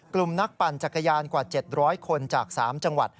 กลุ่มนักปั่นจักรยานกว่า๗๐๐คนจาก๓จังหวัด